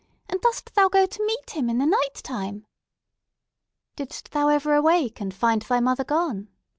And dost thou go to meet him in the nighttime?" "Didst thou ever awake and find thy mother gone?"